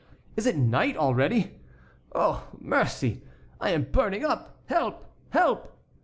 Is it night already? Oh! mercy! I am burning up! Help! Help!"